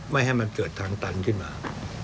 ไม่ให้มันเกิดทางตันขึ้นมา